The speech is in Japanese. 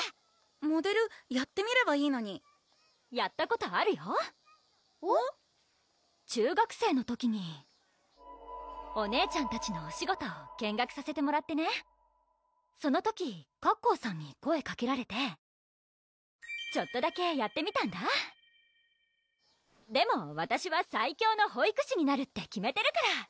モデルやってみればいいのにやったことあるよえっ？中学生の時にお姉ちゃんたちのお仕事を見学させてもらってねその時カッコーさんに声かけられてちょっとだけやってみたんだでもわたしは最強の保育士になるって決めてるから！